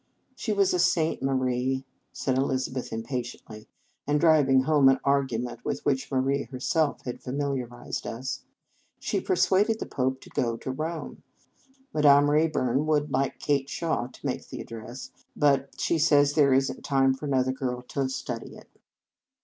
" She was a saint, Marie," said Eliz abeth impatiently, and driving home an argument with which Marie her self had familiarized us. " She per suaded the Pope to go back to Rome. Madame Rayburn would like Kate Shaw to make the address; but she says there is n t time for another girl to study it."